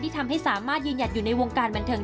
ทำให้สามารถยืนหยัดอยู่ในวงการบันเทิง